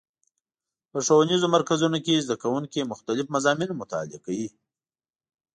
په ښوونیزو مرکزونو کې زدهکوونکي مختلف مضامین مطالعه کوي.